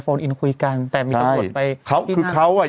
โฟนอินคุยกันแต่มีตำรวจไป